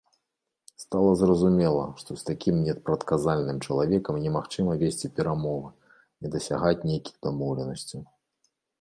Стала зразумела, што з такім непрадказальным чалавекам немагчыма весці перамовы і дасягаць нейкіх дамоўленасцяў.